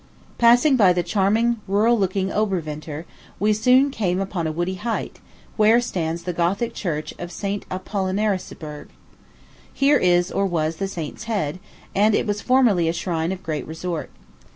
Passing by the charming, rural looking Oberwinter, we soon came upon a woody height, where stands the Gothic Church of St. Apollinarisberg. Here is, or was, the saint's head; and it was formerly a shrine of great resort.